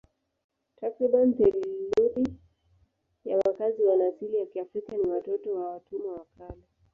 Takriban theluthi ya wakazi wana asili ya Kiafrika ni watoto wa watumwa wa kale.